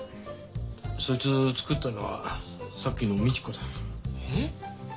そいつ作ったのはさっきのみち子だ。え！？